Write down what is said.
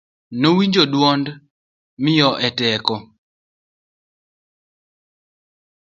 nowinjo duond miyo e toke